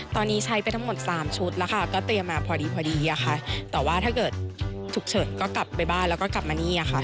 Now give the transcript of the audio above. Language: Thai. แต่ว่าถ้าเกิดถูกเฉินก็กลับไปบ้านแล้วก็กลับมานี่ค่ะ